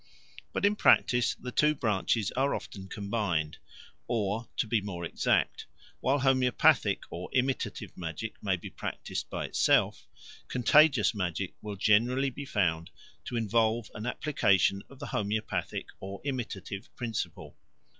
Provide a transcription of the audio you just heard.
But in practice the two branches are often combined; or, to be more exact, while homoeopathic or imitative magic may be practised by itself, contagious magic will generally be found to involve an application of the homoeopathic or imitative principle.